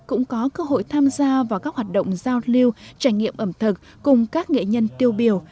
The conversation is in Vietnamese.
cũng có cơ hội tham gia vào các hoạt động giao lưu trải nghiệm ẩm thực cùng các nghệ nhân tiêu biểu